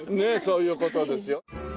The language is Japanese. そういう事ですよ。